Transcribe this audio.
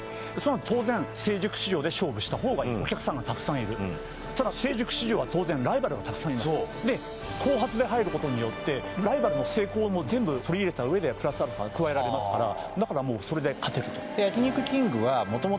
当然成熟市場で勝負した方がお客さんがたくさんいるただ当然そうで後発で入ることによってライバルの成功を全部取り入れた上でプラスアルファ加えられますからだからもうそれで勝てると焼肉きんぐは